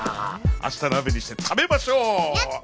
明日鍋にして食べましょうやった！